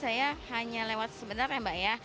sebenarnya tadi saya hanya lewat sebentar ya mbak ya